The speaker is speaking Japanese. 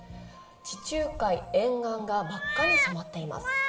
地中海沿岸が真っ赤に染まっています。